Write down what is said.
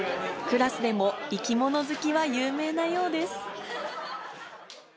クラスでも生き物好きは有名なようです。